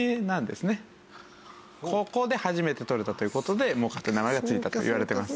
ここで初めてとれたという事でモカという名前が付いたといわれています。